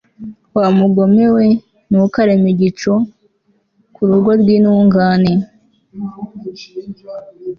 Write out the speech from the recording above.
wa mugome we, ntukareme igico ku rugo rw'intungane